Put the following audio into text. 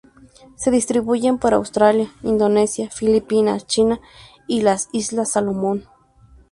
Se distribuyen por Australia, Indonesia, Filipinas, China y las islas Salomon.